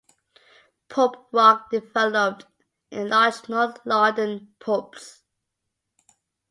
Pub rock developed in large north London pubs.